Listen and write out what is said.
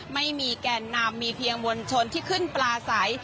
ไม่มีแก่นนำมีเพียงมวลชนที่ขึ้นปลาใส